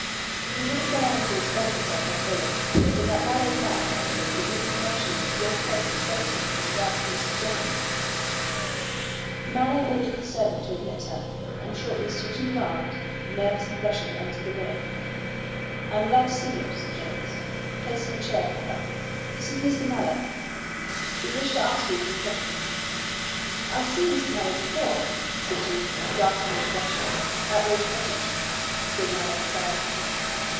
He would have gone on to explain himself more fully, but that Mallow's man entered with the information that a young person was waiting and asked for Mr. Jennings. Mallow ordered the servant to admit her, and shortly Susan Grant, nervous and blushing, entered the room. "I am glad to see you," said Jennings, placing a chair for her. "This is Mr. Mallow. We wish to ask you a few questions." "I have seen Mr. Mallow before," said Susan, gasping and flushing. "At Rose Cottage?" said Mallow inquiringly.